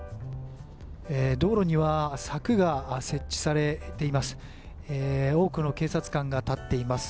道路には柵が設置されています。